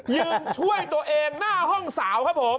ยืนช่วยตัวเองหน้าห้องสาวครับผม